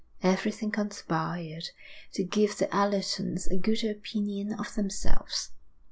Everything conspired to give the Allertons a good opinion of themselves.